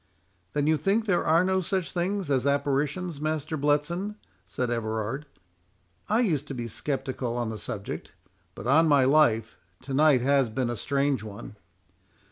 "Then you think there are no such things as apparitions, Master Bletson?" said Everard. "I used to be sceptical on the subject; but, on my life, to night has been a strange one."